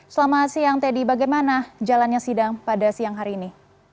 selamat siang teddy bagaimana jalannya sidang pada siang hari ini